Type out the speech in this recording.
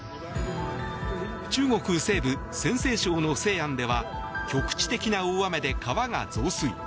中国西部・陝西省の西安では局地的な大雨で川が増水。